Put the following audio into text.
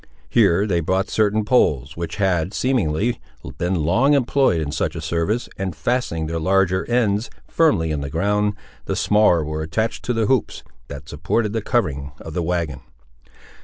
Here they brought certain poles, which had, seemingly, been long employed in such a service, and fastening their larger ends firmly in the ground, the smaller were attached to the hoops that supported the covering of the wagon.